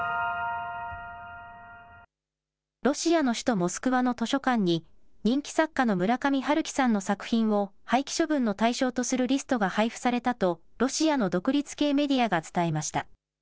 ロシアの首都モスクワの図書館に人気作家の村上春樹さんの作品を廃棄処分の対象とするリストが配付されたとロシアの独立系メディアが伝えました。